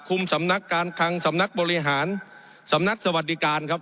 สำนักการคังสำนักบริหารสำนักสวัสดิการครับ